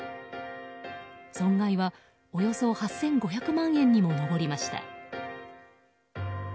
損害はおよそ８５００万円にも上りました。